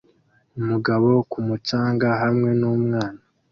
umugabo ku mucanga hamwe numwana